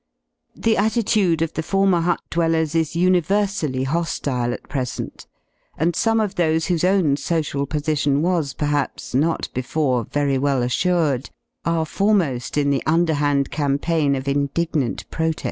The attitude of the former hut dwellers is universally ho^ile at present; and 3 f some of those whose own social position was, perhaps, not before very well assured are foremo^ in the underhand campaign of indignant prote^.